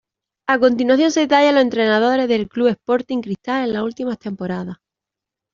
A continuación se detallan los entrenadores del Club Sporting Cristal en las últimas temporadas.